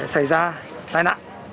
xảy ra tai nạn